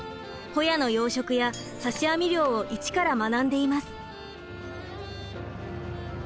ホヤの養殖や刺し網漁を一から学んでいます。